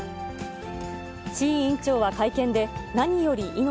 志位委員長は会見で、何より、命。